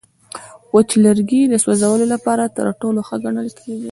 وچ لرګی د سوځولو لپاره تر ټولو ښه ګڼل کېږي.